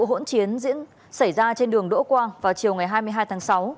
vụ hỗn chiến xảy ra trên đường đỗ quang vào chiều hai mươi hai tháng sáu